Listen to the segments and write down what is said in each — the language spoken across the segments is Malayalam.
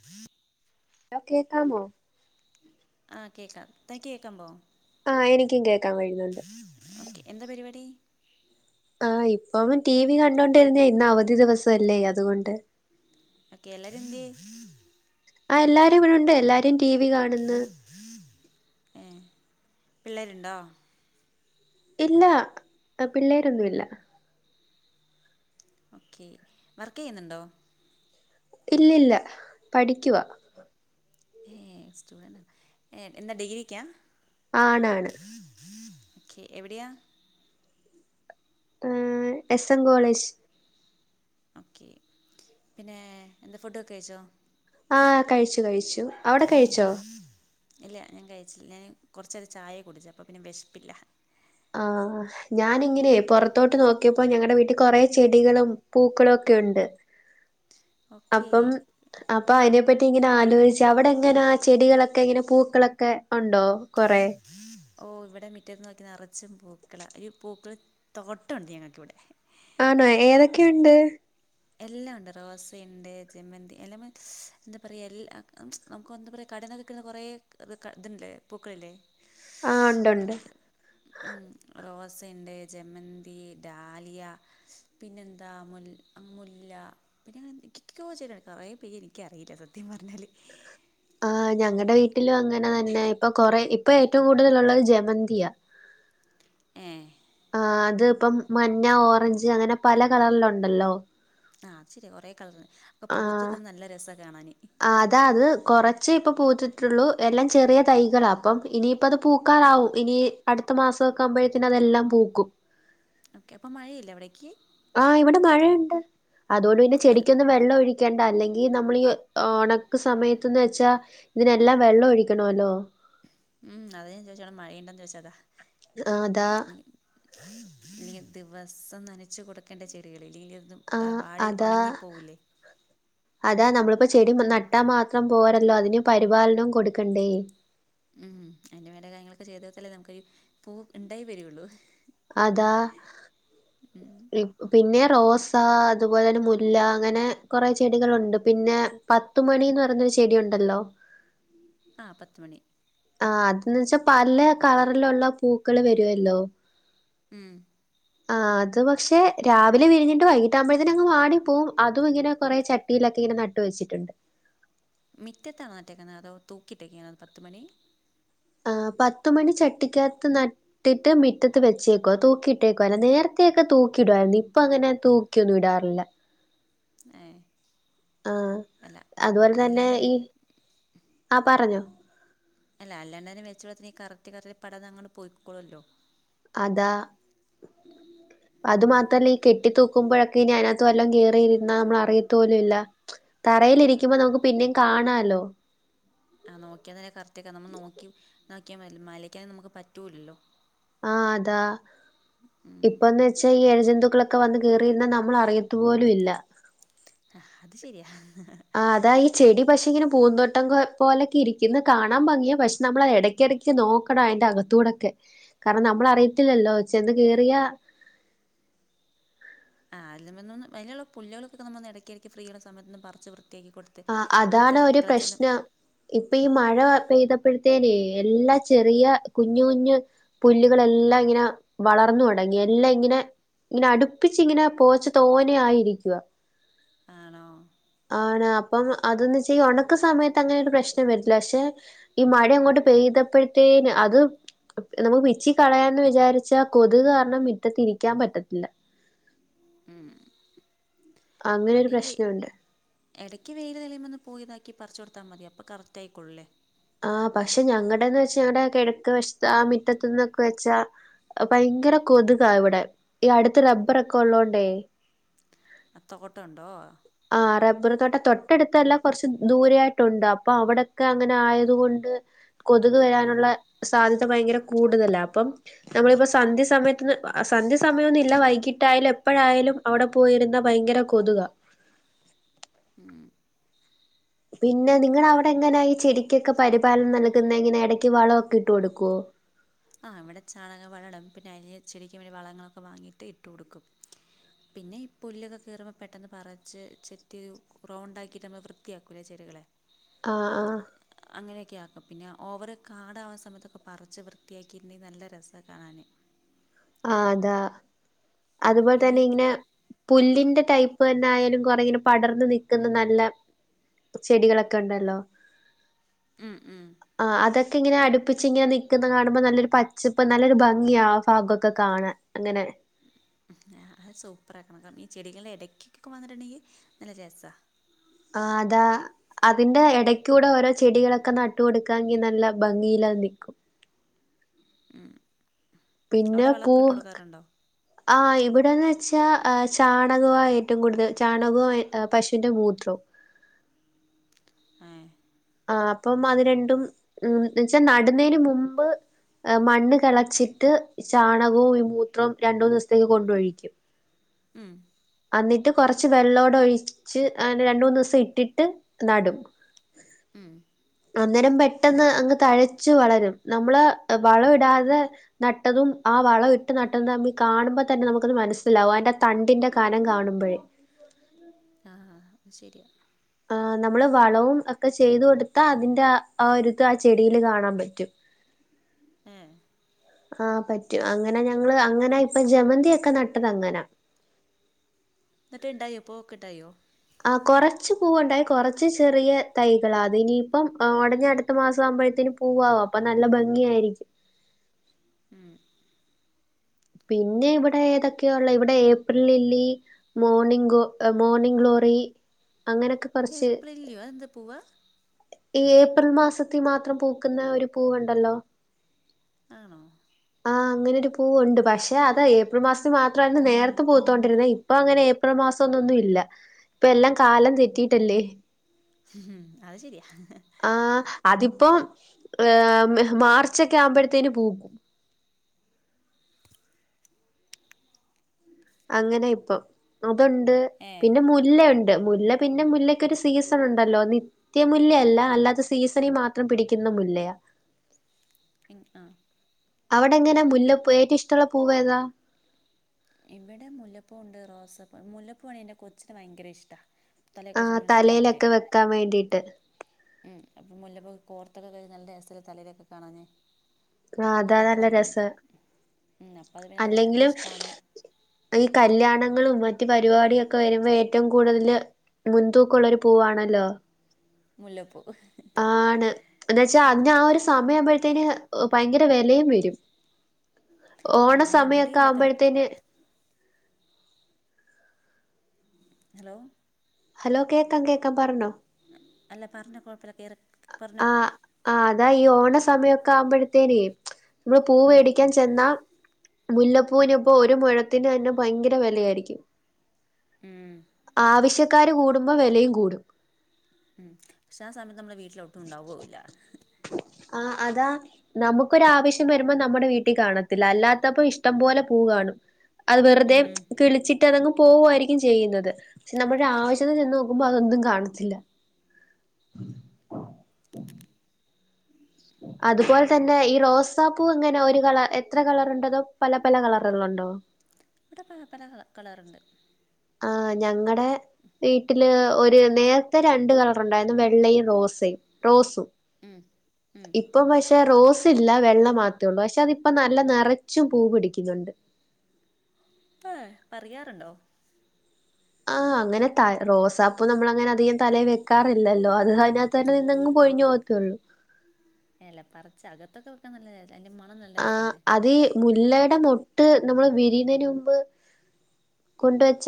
വി [inaudible] ഹലോ കേക്കാമോ ആഹ് കേക്കാം തനിക്ക് കേക്കാമോ ആഹ് എനിക്കും കേക്കാൻ വര്ന്നുണ്ട് ഓകെ എന്താ പരിപാടി ആഹ് ഇപ്പോളും ടി വി കണ്ടോണ്ടിരുന്നെ ഇന്ന് അവധി ദിവസല്ലേ അതുകൊണ്ട് ഒക്കെ എല്ലാരും എന്ത്യേ ആഹ് എല്ലാരും ഇവിടുണ്ട് എല്ലാരും ടി വി കാണുന്ന് പിള്ളേര്ണ്ടോ ഇല്ല അ പിള്ളേരൊന്നുല്ല ഓക്കെ വർക്കിയ്യ്ന്നുണ്ടോ ഇല്ലില്ല പഠിക്കുവാ ഏഹ് സ്റ്റുഡന്റാണ് ഏഹ് എന്താ ഡിഗ്രിക്കാ ആണാണ് ഓക്കെ എവിടെയാ ആഹ് എസ് എൻ കോളേജ് ഓക്കെ പിന്നെ എന്ത ഫുഡൊക്ക് കഴിച്ചോ ആഹ് കഴിച്ചു കഴിച്ചു അവടെ കഴിച്ചോ ഇല്ല ഞാൻ കഴിച്ചില്ല ഞാൻ കൊറച്ചേരെ ചായ കുടിച്ചു അപ്പം പിന്നെ വെശപ്പില്ല ആഹ് ഞാനിങ്ങനെ പൊറത്തോട്ട് നോക്കിയപ്പോ ഞങ്ങടെ വീട്ടി കൊറെ ചെടികളും പൂക്കളും ഒക്കെ ഉണ്ട് ആ [inaudible] അപ്പം അപ്പ അയിനെപ്പറ്റി ഇങ്ങനാലോചിച്ച് അവടെ എങ്ങന ചെടികളൊക്കെ ഇങ്ങനെ പൂക്കളൊക്കെ ഒണ്ടോ കൊറെ. ഓഹ് ഇവടെ മിറ്റത്ത് നോക്കി നെറച്ചും പൂക്കള. ഇ പൂക്കൾ തോട്ട ഉണ്ട് ഞങ്ങക്ക് ഇവിടെ. ആണോ. ഏതൊക്കെയുണ്ട്. എല്ലാം ഉണ്ട്. റോസയുണ്ട്, ജമ്മന്തി എല്ലാമെ ശ് എന്താ പറയ. എല്ലാ അംച്ച് നമുക്ക് ഒന്താ പറയുക കടന വെൽക്കുന്ന കൊറേ ഗ്‌-ർ - ക ഇതില്ലെ പൂക്കളില്ലേ ആഹ്. ഒണ്ട് ഒണ്ട്. ഉം റോസയുണ്ട്, ജമ്മന്തി ഡാലിയ പിന്നെന്താ മുൽ അമ്മുല്ല. പിന്നെ ച്ച് - ച്ച് കോ ചെയ്തണ് കൊറേ പേര് ഇൻക്കറിയില്ല സത്യം പറ്ഞ്ഞാല്. ആഹ് ഞങ്ങടെ വീട്ടിലും അങ്ങനെ തന്നെ. ഇപ്പ കൊറെ ഇപ്പൊ ഏറ്റവും കൂടുതലുള്ളത് ജമന്ത്യ. ഏഹ് ആഹ് അത് ഇപ്പം മഞ്ഞ, ഓറഞ്ച് അങ്ങനെ പല കളറിലു ഒണ്ടല്ലോ. ആഹ് അത് ശെര്യ. കൊറേ കളർ. അപ്പോ ആഹ് പൂത്ത്ക്ക്ണത് നല്ല രസ കാണാന്. ആഹ് അതാ അത് കൊറച്ചെ ഇപ്പ പൂത്തിട്ടുള്ളൂ. എല്ലാം ചെറിയ തൈകള അപ്പം ഇനി ഇപ്പ അത് പൂക്കാറാവും. ഇനി അടുത്ത മാസൊക്കാവുമ്പോഴ്ത്തേന് അതെല്ലാം പൂക്കും. ഓക്കെ. അപ്പം മഴയില്ലേ അവിടേക്ക്. ആഹ്. ഇവിടെ മഴയൊണ്ട്. അതോണ്ട് പിന്നെ അത് ചെടിക്കൊന്നും വെള്ളം ഒഴിക്കണ്ട അല്ലെങ്കി ഈ നമ്മള് ഈ ഓണക്ക് സമയത്ത്ന്ന് വെച്ചാ ഇതിനെല്ലാം വെള്ളം ഒഴിക്കണോല്ലോ. ഉം അതാ ഞാൻ ചോയിച്ചെ അവിടെ മഴയുണ്ടെന്ന് ചോദിച്ചെ അതാ. ആഹ് അതാ ഉം. ഇനി ദിവസം നനച്ചു കൊടുക്കേണ്ട ചെടികളില്ലേലു തും ത ആഹ് വാഴ അതാ ഒണങ്ങിപ്പോവില്ലെ. അതാ നമ്മളിപ്പൊ ചെടി നട്ടാ മാത്രം പോരല്ലോ. അതിന് പരിപാലനവും കൊടുക്കണ്ടേ. ഉം അയിന്റെ മേല കാര്യങ്ങളൊക്കെ ചെയ്തൊത്താലേ നമുക്കൊരു പൂ ഇണ്ടായി വരൊള്ളു. അതാ ഇപ് പിന്നെ റോസ, അതുപോലന്നെ മുല്ല, അങ്ങനെ കൊറേ ചെടികളുണ്ട്. പിന്നെ പത്തുമണിന്ന് പറഞ്ഞൊരു ചെടിയുണ്ടല്ലോ? ആഹ് പത്ത്മണി. ആ അതന്ന്ച്ചാ പല കളറിലുള്ള പൂക്കള് വെര്വല്ലോ? ഉം ആ അത് പക്ഷെ രാവിലെ വിരിഞ്ഞിട്ട് വൈകിട്ട് ആകുമ്പഴ്ത്തേനങ്ങ് വാടി പോവും. അതും ഇങ്ങനെ കൊറേ ചട്ടിയിലൊക്കെ ഇങ്ങനെ നട്ട് വെച്ചിട്ടുണ്ട്. മിറ്റത്താണോ നട്ടേക്കുന്നത് അതോ? തൂക്കിയിട്ടേക്കെയാണോ പത്ത് മണി. ആഹ്. പത്തുമണി ചട്ടിക്കകത്ത് നട്ട് ഇട്ടിട്ട് മിറ്റത്ത് വെച്ചേക്ക്വ. തൂക്കിയിട്ടേ ക്ക്വ. നേരത്തെ ഒക്കെ തൂക്കി ഇട്വാരുന്നു. ഇപ്പൊ അങ്ങനെ തൂക്കിയൊന്നും ഇടാറില്ല. ഏ ഹ്. ആ അല്ല അതുപോലെ തന്നെ അല്ലാണ്ട് വ ഈ ആ പറഞ്ഞൊ. അല്ല. അല്ലാണ്ടന്നെ വച്ചോളത്തി ഈ കറക്റ്റ് കറക്റ്റ് പടം അതങ്ങ് പോയിക്കോളൊല്ലോ? അത. അത് മാത്രല്ല. ഈ കെട്ടി തൂക്കുമ്പോഴക്കെ ഇനി അയ്നകത്ത് വല്ലം കേറിയിരുന്ന നമ്മൾ അറിയത്ത് പോലും ഇല്ല. തറയിലിരിക്കുമ്പ നമുക്ക് പിന്നിം കാണാല്ലോ? ആ നോക്ക്യാന്നെ കറക്റ്റയ്ക്കാ. നമ്മള് നോക്കി നോക്കിയാ മലി മലിക്കാന നമുക്ക് പറ്റൂലല്ലോ? ആഹ് അതാ ഇപ്പ. ഇപ്പന്ന് വെച്ചാ ഈ എഴജന്തുക്കളൊക്കെ വന്ന് കേറിയിരുന്നാ നമ്മള് അറിയത്ത് പോലും ഇല്ല. ആഹ് അത് ശരിയാ. ആഹ് അതാ ഈ ചെടി പക്ഷെ ഇങ്ങനെ പൂന്തോട്ടം കൊ പോലെക്കെ ഇരിക്കുന്നെ കാണാൻ ഭംഗിയാ പക്ഷെ നമ്മളത് എട ക്ക്യെടക്ക് നോക്കണം അയിന്റെ അകത്തൂടെക്കെ. കാരണം നമ്മളറിയത്തില്ലല്ലോ ചെന്ന് കേറിയാ ആഹ് എല്ലമ്മന്നൊന്ന് അയില്ള്ള പുല്ലേളൊക്കെ നമ്മൊന്ന് എടക്കെടക്ക് ഫ്രീയുള്ള സമയത്തൊന്ന് പറിച്ച് വൃത്തിയാക്കി കൊടു ആഹ് അതാണ് ഒരു പ്രശ്നം. ഇപ്പ ഈ മഴ പെയ്തപ്പഴ്ത്തേനേ എല്ലാ ചെറിയ കുഞ്ഞു കുഞ്ഞ് പുല്ലുകളെല്ലാം ഇങ്ങനെ വളർന്നു തുടങ്ങി. എല്ലാം ഇങ്ങനെ ഇങ്ങനെ അടുപ്പിച്ചിങ്ങനെ പോച്ച തോനെ ആയിരിക്കുവാ. ആണോ? ആണ്. അപ്പം അതൊന്ന്വെച്ച ഈ ഒണക്ക സമയത്ത് അങ്ങനെ ഒരു പ്രശ്നം വരില്ല. പക്ഷെ ഈ മഴ അങ്ങോട്ട് പെയ്തപ്പഴ്ത്തേന് അത് നമുക്ക് പിച്ചി കളയാന്ന് വിചാരിച്ചാ കൊതുക് കാരണം മിറ്റത്തിരിക്കാൻ പറ്റത്തില്ല. ഉം. അങ്ങനെ ഒരു അതീ വേ പ്രശ്നമുണ്ട് എടയ്ക്ക് വെയില് തെളിയുമ്പൊന്ന് പോയിതാക്കി പറിച്ച് കൊടുത്താ മതി അപ്പൊ കറക്റ്റ് ആയിക്കൊള്ളുല്ലേ. ആഹ് പക്ഷെ ഞങ്ങടെന്ന് വെച്ച ഞങ്ങടെ കിഴക്ക് വശത്ത് ആ മിറ്റത്ത്ന്നൊക്കെ വെച്ചാ, ഭയങ്കര കൊതുകാ ഇവടെ. ഈ അടുത്ത റബ്ബറ് ഒക്കെ ഉള്ളോണ്ടേ. അഹ് തോട്ടണ്ടോ? ആഹ് റബ്ബർതോട്ട, തൊട്ടടുത്തല്ലാ കൊറച്ച് ദൂരെ ആയിട്ടുണ്ട് അപ്പൊ അവടൊക്കെ അങ്ങനെ ആയത് കൊണ്ട്. കൊതുക് വരാനുള്ള സാധ്യത ഭയങ്കര കൂടുതലാ അപ്പം. നമ്മളിപ്പോ സന്ധ്യ സമയത്ത്ന്ന് സന്ധ്യ സമയൊന്നില്ല വൈകിട്ടായാലും എപ്പഴായാലും. അവടെ പോയിരുന്നാ ഭയങ്കര കൊതുകാ. ഉം. പിന്നെ നിങ്ങടവടെ എങ്ങനാ ഈ ചെടിക്കൊക്കെ പരിപാലനം നൽകുന്നെ ഇങ്ങനെ എടക്ക് വളം ഒക്കെ ഇട്ട് കൊടുക്കോ? ആഹ് ഇവിടെ ചാണകം വളടും പിന്നെ അയ്ന് ചെടിക്ക് വേണ്ടി വളങ്ങളൊക്കെ വാങ്ങിയിട്ട് ഇട്ട് കൊടുക്കും. പിന്നെ ഈ പുല്ലൊക്കെ കേറുമ്പോ പെട്ടെന്ന് പറച്ച് ചെത്തി റൗണ്ടാക്കിയിട്ട് നമ്മൾ വൃത്തിയാക്കൂലേ ചെടികളെ. ആഹ് ആഹ്. അങ്ങനെക്കെയാക്കും. പിന്നെ ഓവറ് കാടാവാൻ സമയത്തൊക്കെ പറിച്ച് വൃത്തിയാ ക്കിര്നി നല്ല രസാ കാണാന്. ആഹ് അതാ ഉം, അതുപോലെ പിന്നെ തന്നെ ഈ ഇങ്ങനെ പുല്ലിന്റെ ടൈപ്പ് തന്നെ ആയാലും കൊറേ ഇങ്ങനെ പടർന്ന് നിക്ക്‌ന്ന നല്ല ചെടികളൊക്കെ ഉണ്ടല്ലോ. ഉം ഉം. ആഹ് അതൊക്കെ ഇങ്ങനെ അട്പ്പിച്ചിങ്ങനെ നിക്ക്‌ന്ന കാണുമ്പം നല്ലൊരു പച്ചപ്പ് നല്ലൊരു ഭംഗിയാ ആ ഭാഗം ഒക്ക കാണാ അങ്ങനെ. ഉം. അത് സൂപ്പറാക്കണം കാരണം ഈ ചെടികളെ എടക്കൊക്കെ വന്ന്ട്ട്ണ്ടെങ്കി നല്ലരസാ. ആഹ് അതാ അതിന്റെ എട ക്ക്യൂടെ ഓരോ ചെടികളൊക്കെ നട്ട് കൊടുക്കാങ്കി നല്ല ഭംഗിയിലത് നിക്കും. ഉം. അവ്ടെ പിന്നെ വളം പൂ ഒക്കെ ഇട്ട് കൊട്ക്കാറ്ണ്ടോ? ആഹ് ഇവ്ടെന്ന് വെച്ചാ ഏഹ് ചാണകവാ ഏറ്റവും കൂടുതൽ ചാണകോം പശുവിന്റെ മൂത്രോം. ഏഹ്. ആഹ് അപ്പം അത് രണ്ടും ഉം എന്ന് വെച്ചാ നട്ന്നേന് മുമ്പ് എഹ് മണ്ണ് കെളച്ചിട്ട് ചാണകോം ഈ മൂത്രോം രണ്ടൂന്ന് ദിവസത്തേക്ക് കൊണ്ടൊഴിക്കും. ഉം അന്നിട്ട് കൊറച്ച് വെള്ളൂടെ ഒഴിച്ച് അങ്ങനെ രണ്ടു മൂന്നൂസം ഇട്ടിട്ട് നടും. ഉം അന്നേരം പെട്ടെന്ന് അങ്ങ് തഴച്ച് വളരും നമ്മള് വളം ഇടാതെ നട്ടതും ആവളം ഇട്ട് നട്ടതും തമ്മി കാണുമ്പ തന്നെ നമുക്കത് മനസ്സിലാവും അതിന്റെ തണ്ടിന്റെ കനം കാണുമ്പഴേ ആ അത് ശെരിയാ ആഹ് നമ്മള് വളവും ഒക്കെ ചെയ്തു കൊട്ത്താ അതിന്റെ ആഹ് ഒരുരിത് ആഹ് ചെടിയില് കാണാൻ പറ്റും. ഏ ആഹ് പറ്റും അങ്ങനെ ഞങ്ങള് അങ്ങനെ ഇപ്പ ജമന്തിയൊക്കെ നട്ടതങ്ങനാ എന്നിട്ട് ഇണ്ടായോ പൂവോക്കെണ്ടായോ? ആഹ് കൊറച്ച് പൂവ്ണ്ടായി കൊറച്ച് ചെറിയ തൈകളാ അതിനിയിപ്പം ഒടനെ അട്ത്തമാസം ആവ്മ്പഴത്തേന് പൂ പൂവാവും അപ്പ നല്ല ഭംഗിയായിരിക്കും. ഉം പിന്നെ ഇവ്ടെ ഏതൊക്കെയാഒള്ളെ ഇവ്ടെ ഏപ്രിൽലില്ലി മോർണിംഗോ മോർണിംങ്ങ് ഗ്ലോറി അങ്ങനെക്കെ ഏപ്രിൽലില്ലിയോ അത്എന്ത് പൂവാ ഈ ഏപ്രിമാസത്തി മാത്രം പൂക്ക്‌ന്ന ഒരു പൂവുണ്ടല്ലോ? ആണോ ആഹ് അങ്ങനെ ഒരു പൂവൊണ്ട് പക്ഷെ അത് ഏപ്രിൽ മാസത്തി മാത്രായിരുന്നു നേരത്തെ പൂത്തോണ്ടിര്ന്നേ ഇപ്പൊ ഇപ്പ അങ്ങനെ ഏപ്രിൽ മാസംന്നൊന്നു ഇല്ല ഇപ്പയെല്ലാം കാലം തെറ്റിട്ടല്ലേ? ഉം അത് ശെരിയാ ആഹ് അതിപ്പം ഏഹ് മാർച്ചൊക്കെയാവുമ്പഴത്തേന് പൂക്കും അങ്ങനെയിപ്പൊ അതൊണ്ട് ഏ പിന്നെ മുല്ല മുല്ലെണ്ട് മുല്ല പിന്നെ മുല്ലക്കൊര് സീസണൊണ്ടല്ലോ നിത്യ നിത്യമുല്ലയല്ല അല്ലാതെ സീസണിമാത്രം പിടിക്ക്‌ന്ന മുല്ലയാ ഇന് ആഹ് അവ്ടെങ്ങനെ മുല്ലപ്പു ഏറ്റവും ഇഷ്ട്ടള്ള പൂവേതാ? ഇവ്ടെ മുല്ലപ്പൂണ്ട് റോസപ്പൂ മുല്ലപ്പൂവാണ് എൻ്റെ കൊച്ചിന് ഭയങ്കരഇഷ്ട്ടാ തലയൊക്കെ ചൂടി നിക്കാനായിട്ടേ നിക്കാൻവേണ്ടിട്ട് ഉം അപ്പ മുല്ലപ്പൂ കോർത്തൊക്കെ കഴിഞ് നല്ല രസാല്ലെ തലയിലൊക്കെ കാണാന്. ആ അപ്പ അതാ അതൊക്കെ നല്ല ഭയ് രസം ഉം അപ്പൊ അത് പിന്നെ അത് ഇഷ്ട്ടാണ് ഈകല്യാണങ്ങളും മറ്റ് പര്പാടിയൊക്കെവര്മ്പ ഏറ്റം കൂടുതല് മുൻതൂക്കൊള്ളൊര് പൂവാണല്ലോ മുല്ലപ്പൂ ആണ് എന്ന്ച്ചാ അന്ന് ആഹ് ഒര് സമയാവ്മ്പഴത്തേന് ഭയങ്കര വെലയുംവെരും ആ അത് എവിടെ ഓണസമയൊക്കെ ഇല്ലാത്തട ആവ്മ്പഴത്തേന് ഹലോ ഹലോ കേക്കാം കേക്കാം പറഞ്ഞോ അല്ല പറഞ്ഞോ കുഴപ്പല്ല കേറ് ആഹ് ആഹ് അതാ ഈ ഓണ സമയമൊക്കെ ആവുമ്പോഴത്തേന് നമ്മള് പൂ ഉം വെടിക്കാൻ ചെന്നാ മുല്ലപ്പൂവിന് ഇപ്പോ ഒരു മുഴത്തിന് തന്നെ ഭയങ്കര വെലയായിരിക്കും ഉം ആവശ്യക്കാര് കൂടുമ്പോ വെലയും കൂടും ഉം പക്ഷെ ആസമയത്ത് നമ്മളെ വീട്ടില് ഒട്ടും ഉണ്ടാവൂല്ല ആഹ് അതാ നമുക്കൊരു ആവശ്യം വരുമ്പോ നമ്മുടെ വീട്ടി കാണത്തില്ല അല്ലാത്തപ്പോ ഇഷ്ടം പോലെ പൂ കാണും അത് വെറുതെ ഉം കിളിച്ചിട്ട് അതങ്ങ് പോവായിരിക്കും ചെയ്യുന്നത് പക്ഷെ നമ്മളുടെ ആവശ്യത്തിന് ചെന്നോക്കുമ്പോ അതൊന്നും കാണത്തില്ല അതുപോലെ തന്നെ ഈ റോസാ പൂ എങ്ങനെ ഒരു കളർ എത്ര കളർണ്ടതോ പല പല കളറ്ള്ളത്ണ്ടോ ഇവിടെ പ പല കളറ്ണ്ട് ആഹ് ഞങ്ങടെ വീട്ടില് ഒരു നേര്ത്തെ രണ്ട് കളറ് ഉണ്ടായിരുന്നു വെള്ളയും റോസയും റോസും ഉം ഉം ഇപ്പം പക്ഷെ റോസ് ഇല്ല വെള്ള മാത്രേള്ളൂ പക്ഷെ അതിപ്പ നല്ല നിറച്ചും പൂ പിടിക്കുന്നുണ്ട് അഹ് പറിയാറുണ്ടോ ആഹ് അങ്ങനെ ത റോസാപ്പൂ നമ്മൾ അങ്ങനെ അധികം തലയില് വെക്കാറില്ലല്ലോ അത് [unintelligible] തന്നെ നിന്നങ്ങ് പൊഴിഞ്ഞ് പോകാത്തെയുള്ളു എല പറിച്ച് അകത്തൊക്കെ വെക്കാൻ നല്ല അതിന്റെ മണം നല്ല ആഹ് രസല്ലേ അത് ഈ മുല്ലയുടെ മൊട്ട് നമ്മള് വിരിയുന്നേന് മുമ്പ് കൊണ്ടുവെച്ച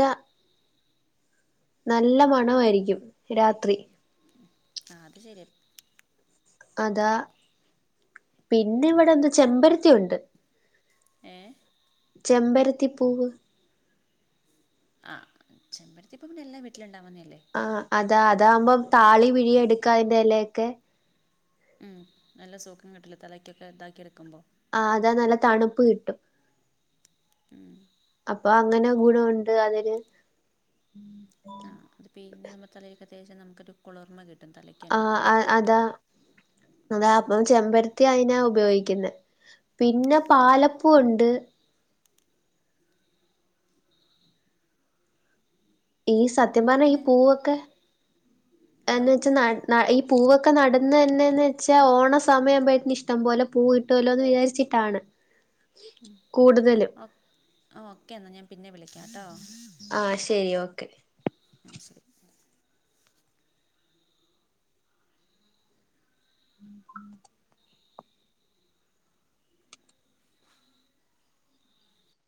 നല്ല മണമായിരിക്കും രാത്രി ആഹ് അത് ശരിയാ അതാ പിന്നെ ഇവിടെ ന്ത്‌ ചെമ്പരത്തി ഉണ്ട് ഏഹ് ചെമ്പരത്തിപ്പൂവ് ചെമ്പരത്തി പ്പൂ പിന്നെ എല്ലാ വീട്ടിലുണ്ടാവുന്നേഎല്ലേ ആഹ് അതാ അതാകുമ്പം താളി പിഴി എടുക്കാതിന്റെ എലയോക്കെ ഉം നല്ല സുഖം കിട്ടില്ലേ തലയ്ക്കൊക്കെ ഇതാക്കി എടുക്കുമ്പോ ആഹ് അതാ നല്ല തണുപ്പ് കിട്ടും ഉം അപ്പൊ അങ്ങനെ ഗുണോണ്ട് അതിന് [inaudible] ആഹ് അത് പിയിഞ്ഞ് നമ്മ തലേൽക്ക് തേച്ചാ നമുക്കൊരു കുളിർമ കിട്ടും തല ആഹ് അതാ അതാ അപ്പം ചെമ്പര ത്തി അയ്നാ ഉപയോഗിക്കുന്നേ പിന്നെ പാലപ്പൂ ഉണ്ട് [unintelligible] ഈ സത്യം എന്നാൽ പറഞ്ഞ ഈ പിന്നെ പൂവൊക്കെ ഹലോ എന്ന് വെച്ചാ ന്ന ന്ന ഈ പൂവൊക്കെ നടന്നെന്നെയെന്ന് വെച്ചാ ഓണ സമയാമ്പോഴേത്ന് ഇഷ്ടം പോലെ പൂ കിട്ടോല്ലോന്ന് വിചാരിച്ചിട്ടാണ് ഉം കൂടുതലും ഒ ഓക്കെ ന്ന ഞാൻ പിന്നെ വിളിക്കാ ട്ടോ ആഹ് ശരി ഓക്കെ ആഹ് ശരി [unintelligible]